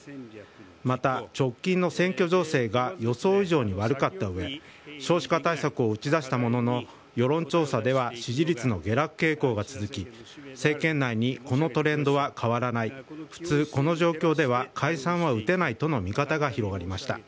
また、直近の選挙情勢が予想以上に悪かったうえに少子化対策を打ち出したものの世論調査では支持率の下落傾向が続き政権内にこのトレンドは変わらない普通、この状況では解散は打てないとの見方が広がりました。